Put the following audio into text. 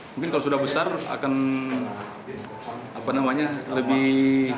mungkin kalau sudah besar akan apa namanya lebih